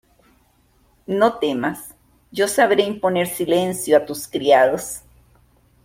no temas: yo sabré imponer silencio a tus criados.